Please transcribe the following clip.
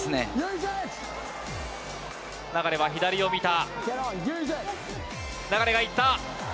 流は左を見た。